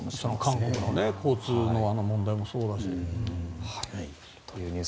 韓国の交通の問題もそうですしね。